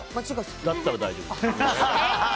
だったら大丈夫。